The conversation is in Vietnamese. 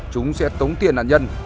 chúng sẽ tống tiền nạn nhân